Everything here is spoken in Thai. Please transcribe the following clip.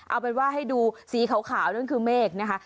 เอาเป็นว่าให้ดูสีขาวนั่นคือเมฆนะคะ